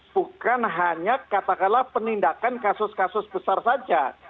bukan hanya katakanlah penindakan kasus kasus besar saja